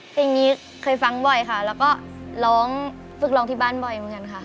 เพลงนี้เคยฟังบ่อยค่ะแล้วก็ร้องฝึกร้องที่บ้านบ่อยเหมือนกันค่ะ